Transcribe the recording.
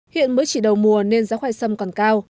hiện mới chỉ đầu mùa nên giá khoai sâm còn cao